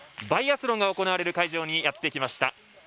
バイアスロンが行われる会場にやってきました。